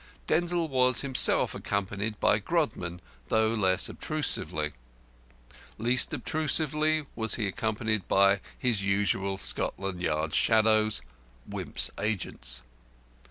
Denzil was himself accompanied by Grodman, though less obtrusively. Least obtrusively was he accompanied by his usual Scotland Yard shadows, Wimp's agents.